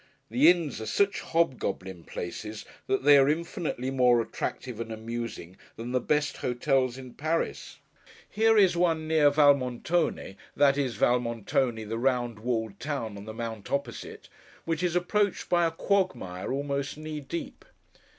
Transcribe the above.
The inns are such hobgoblin places, that they are infinitely more attractive and amusing than the best hotels in Paris. Here is one near Valmontone (that is Valmontone the round, walled town on the mount opposite), which is approached by a quagmire almost knee deep.